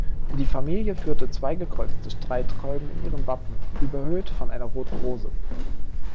Die Familie führte zwei gekreuzte Streitkolben in ihren Wappen, überhöht von einer roten Rose.